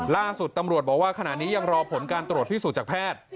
ล่าสุดตำรวจบอกว่าขณะนี้ยังรอผลการตรวจพิสูจน์จากแพทย์